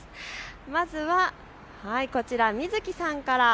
まずはこちら美月さんから。